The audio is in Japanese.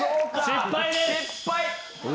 失敗です。